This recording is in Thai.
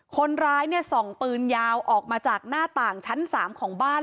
คนร้ายส่องปืนยาวออกมาจากหน้าต่างชั้น๓ของบ้าน